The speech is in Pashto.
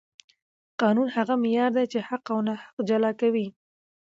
قانون هغه معیار دی چې حق او ناحق جلا کوي